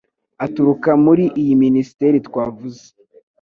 aturuka muri iyi Minisiteri twavuze